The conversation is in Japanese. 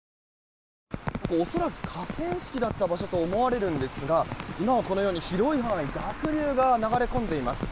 恐らく河川敷だった場所と思われるんですが今はこのように広い範囲に濁流が流れ込んでいます。